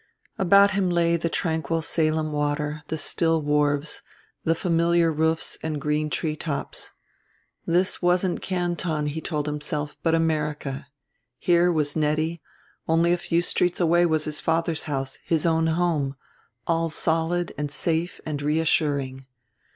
About him lay the tranquil Salem water, the still wharves, the familiar roofs and green tree tops. This wasn't Canton, he told himself, but America: there was Nettie; only a few streets away was his father's house, his own home, all solid and safe and reassuring.